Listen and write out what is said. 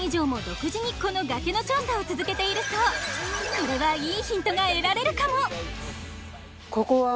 これはいいヒントが得られるかもここは。